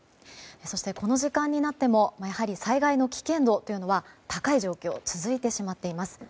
そしてこの時間になってもやはり災害の危険度というのは高い状況が続いてしまっています。